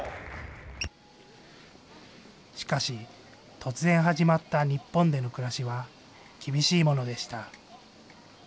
しかし、突然始まった日本での暮らしは、厳しいものでした。